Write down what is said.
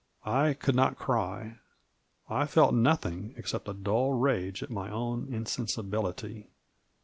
I could not cry ; I felt nothing, except a dull rage at my own insensibility.